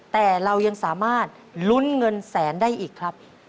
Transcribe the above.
แต่เรายังสามารถลุ้นเงินแสนได้อีกครับ